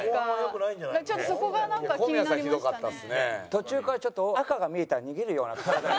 途中から赤が見えたら逃げるような感覚に。